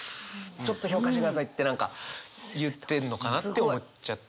ちょっと評価してくださいって何か言ってんのかなって思っちゃいました。